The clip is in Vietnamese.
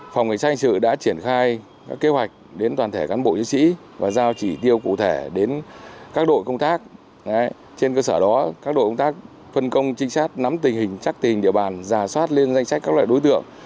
phòng cảnh sát hành sự đã triển khai kế hoạch đến toàn thể cán bộ chiến sĩ và giao chỉ tiêu cụ thể đến các đội công tác trên cơ sở đó các đội công tác phân công trinh sát nắm tình hình chắc tình địa bàn giả soát lên danh sách các loại đối tượng